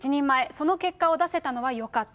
その結果を出せたのはよかった。